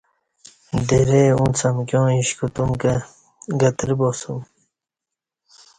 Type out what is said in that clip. درئ اونڅ امکیاں اوش کوتوم کہ گترہ باسوم